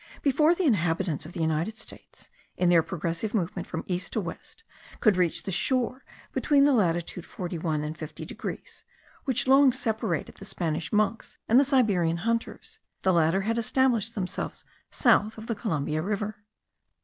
Before the inhabitants of the United States, in their progressive movement from east to west, could reach the shore between the latitude 41 and 50 degrees, which long separated the Spanish monks and the Siberian hunters,* the latter had established themselves south of the Columbia River.